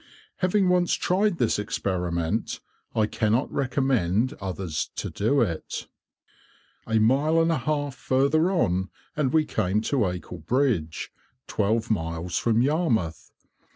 Having once tried this experiment, I cannot recommend others to do it. A mile and a half further on, and we came to Acle bridge, twelve miles from Yarmouth.